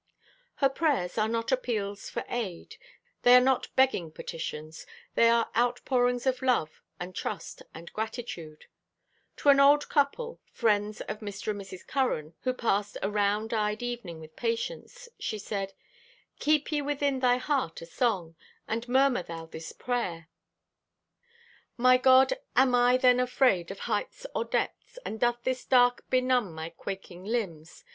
Her prayers are not appeals for aid; they are not begging petitions. They are outpourings of love and trust and gratitude. To an old couple, friends of Mr. and Mrs. Curran, who passed a round eyed evening with Patience, she said: Keep ye within thy heart a song And murmur thou this prayer: "My God, am I then afraid Of heights or depths? And doth this dark benumb my quaking limbs?